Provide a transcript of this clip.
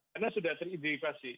karena sudah teridentifikasi